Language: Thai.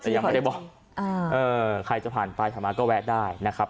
แต่ยังไม่ได้บอกเออใครจะผ่านไปผ่านมาก็แวะได้นะครับ